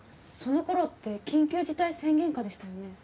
そのころって緊急事態宣言下でしたよね？